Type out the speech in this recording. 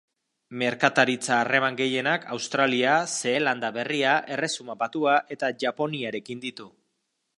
Merkataritza-harreman gehienak Australia, Zeelanda Berria, Erresuma Batua eta Japoniarekin ditu.